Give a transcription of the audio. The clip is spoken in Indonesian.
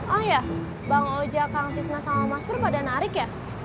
oh ya bang oja kang tisna sama mas pur pada narik ya